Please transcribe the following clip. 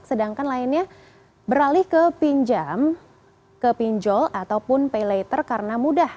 sedangkan lainnya beralih ke pinjam ke pinjol ataupun pay later karena mudah